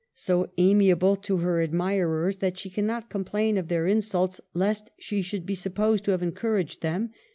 so amiable to her admirers that she can not complain of their insults lest she should be sup posed to have encouraged them.